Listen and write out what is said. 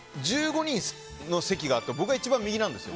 １５人の席があって僕が一番右なんです。